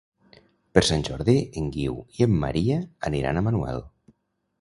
Per Sant Jordi en Guiu i en Maria aniran a Manuel.